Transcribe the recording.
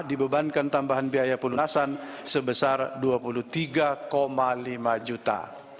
dibebankan tambahan biaya pelunasan sebesar rp dua puluh tiga lima juta